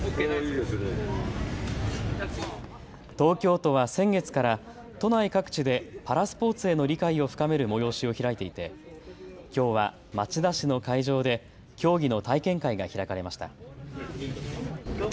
東京都は先月から都内各地でパラスポーツへの理解を深める催しを開いていてきょうは町田市の会場で競技の体験会が開かれました。